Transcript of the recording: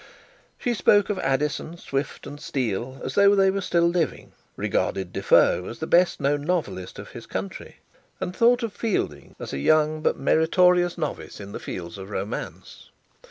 She spoke of Addison, Swift, and Steele, as though they were still living, regarded De Foe as the best known novelist of his country, and thought of Fielding as a young but meritorious novice in the fields of romance.